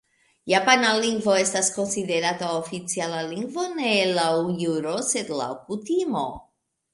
Japana lingvo estas konsiderata oficiala lingvo ne laŭ juro sed laŭ kutimo.